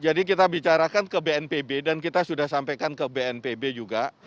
jadi kita bicarakan ke bnpb dan kita sudah sampaikan ke bnpb juga